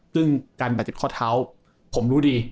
ซึ่งการบาดเจ็บข้อเท้าผมรู้ดี